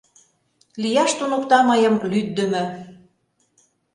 Лияш туныкта мыйым лӱддымӧ